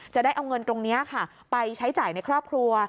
จะได้เอาเงินตรงนี้ค่ะไปใช้จ่ายในครอบครัว